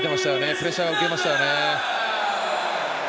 プレッシャー受けましたよね。